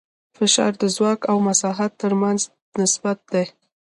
فشار د ځواک او مساحت تر منځ نسبت دی.